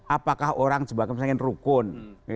apakah orang semakin rukun